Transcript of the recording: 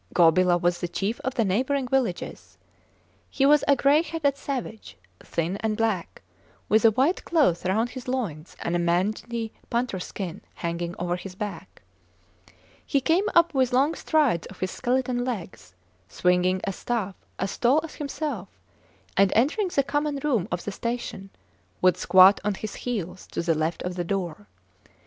Gobila was the chief of the neighbouring villages. He was a gray headed savage, thin and black, with a white cloth round his loins and a mangy panther skin hanging over his back. He came up with long strides of his skeleton legs, swinging a staff as tall as himself, and, entering the common room of the station, would squat on his heels to the left of the door.